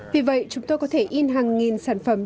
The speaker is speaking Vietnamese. vì vậy chúng tôi có thể in hàng nghìn sản phẩm